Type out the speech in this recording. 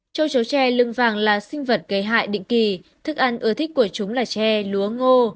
châu chấu tre lưng vàng là sinh vật gây hại định kỳ thức ăn ưa thích của chúng là tre lúa ngô